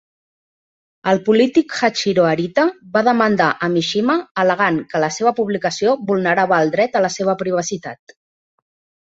El polític Hachiro Arita va demandar a Mishima, al·legant que la seva publicació vulnerava el dret a la seva privacitat.